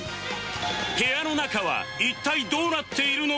部屋の中は一体どうなっているのか？